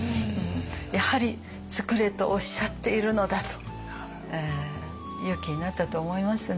やはりつくれとおっしゃっているのだと勇気になったと思いますね。